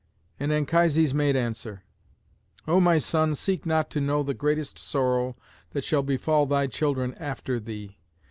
And Anchises made answer, "O my son, seek not to know the greatest sorrow that shall befall thy children after thee.